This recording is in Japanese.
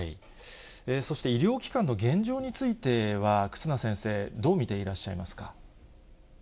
そして、医療機関の現状については、忽那先生はどう見ていらっしゃいますか。